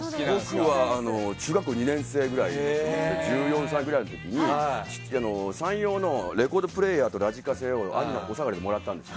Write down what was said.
僕は中学校２年生ぐらい１４歳ぐらいの時にサンヨーのレコードプレーヤーとラジカセを父からもらったんです。